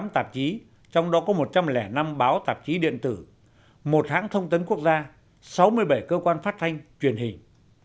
sáu trăm năm mươi tám tạp chí trong đó có một trăm linh năm báo tạp chí điện tử một hãng thông tấn quốc gia sáu mươi bảy cơ quan phát thanh truyền hình